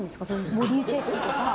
ボディーチェックとか。